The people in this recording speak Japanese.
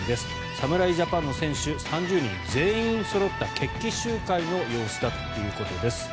侍ジャパンの選手３０人全員そろった決起集会の様子だということです。